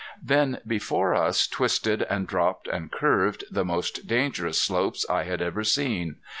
Then before us twisted and dropped and curved the most dangerous slopes I had ever seen.